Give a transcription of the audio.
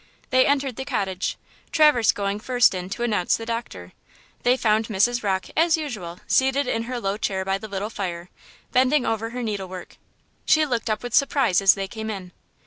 They entered the cottage, Traverse going first in order to announce the doctor. They found Mrs. Rocke, as usual, seated in her low chair by the little fire, bending over her needlework. She looked up with surprise as they came in.